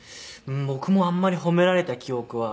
僕もあんまり褒められた記憶は。